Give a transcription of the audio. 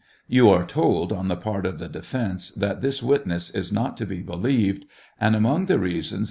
You are told on the part of the defence that this witness is not to be believed, and among the reasons , H.